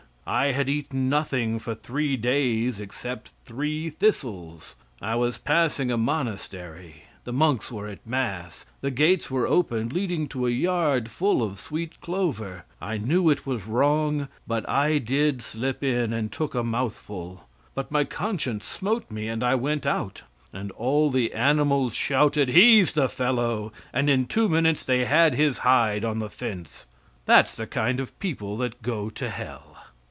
I had eaten nothing for three days except three thistles. I was passing a monastery, the monks were at mass. The gates were open leading to a yard full of sweet clover. I knew it was wrong but I did slip in and I took a mouthful, but my conscience smote me and I went out;" and all the animals shouted, "He's the fellow!" and in two minutes they had his hide on the fence. That's the kind of people that go to hell.